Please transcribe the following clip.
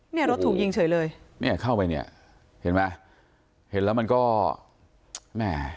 เนี่ยรถถูกยิงเฉยเลยเนี่ยเข้าไปเนี่ยเห็นไหมเห็นแล้วมันก็แม่